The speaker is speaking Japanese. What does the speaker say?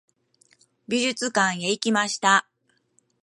美術館へ行きました。